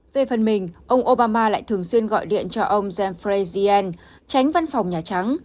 về phần mình ông obama lại thường xuyên gọi điện cho ông jeffrey zients tránh văn phòng nhà trắng